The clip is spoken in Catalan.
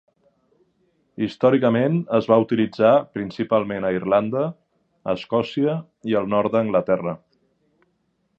Històricament es va utilitzar principalment a Irlanda, Escòcia i el nord d'Anglaterra.